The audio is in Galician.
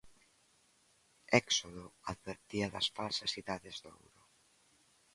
'Éxodo' advertía das falsas idades de ouro.